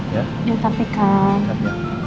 ya tapi kan